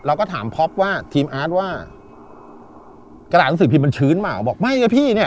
เราก็ถามพ็อปว่าทีมอาร์ตว่ากระดาษหนังสือพิมพ์มันชื้นเปล่าบอกไม่นะพี่เนี่ย